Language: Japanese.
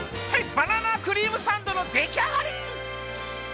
バナナクリームサンドのできあがり！